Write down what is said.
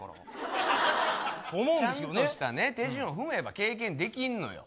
ちゃんとした手順を踏めば経験できんのよ。